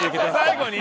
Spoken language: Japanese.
最後に？